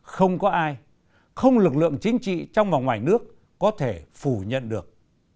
không có ai không lực lượng chính trị trong và ngoài nước có thể phủ nhận được